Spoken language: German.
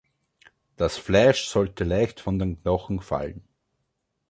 Das Fleisch sollte leicht von den Knochen fallen.